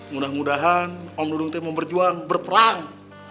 mudah mudahan om dudung teh mau berjuang berperang